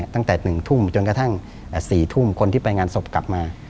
ตั้งแต่๑ทุ่มจนกระทั่ง๔ทุ่มคนที่ไปงานศพกลับมา